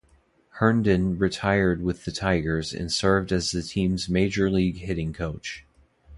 Herndon retired with the Tigers and served as the team's major league hitting coach.